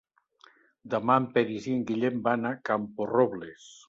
Demà en Peris i en Guillem van a Camporrobles.